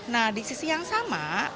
nah di sisi yang sama